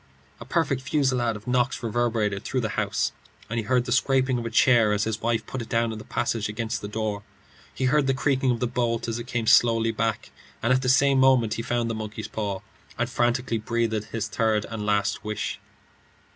A perfect fusillade of knocks reverberated through the house, and he heard the scraping of a chair as his wife put it down in the passage against the door. He heard the creaking of the bolt as it came slowly back, and at the same moment he found the monkey's paw, and frantically breathed his third and last wish.